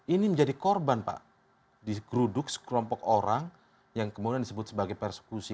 ini menjadi korban pak digeruduk sekelompok orang yang kemudian disebut sebagai persekusi